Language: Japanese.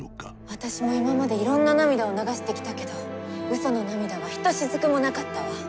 私も今までいろんな涙を流してきたけど嘘の涙はひとしずくもなかったわ。